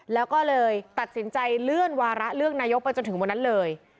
แล้วก็เลยตัดสินใจเลื่อนวาระเลือกนายกไปจนถึงวันนั้นเลย